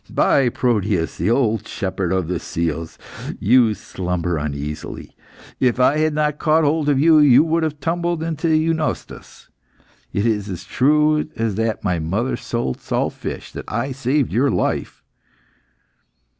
By Proteus, the old shepherd of the seals, you slumber uneasily. If I had not caught hold of you, you would have tumbled into the Eunostos. It is as true as that my mother sold salt fish, that I saved your life."